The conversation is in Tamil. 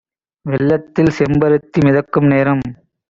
வெள்ளத்தில் செம்பருதி மிதக்கும் நேரம்!